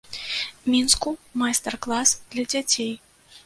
Мінску майстар-клас для дзяцей.